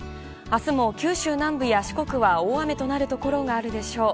あすも九州南部や四国は大雨となる所があるでしょう。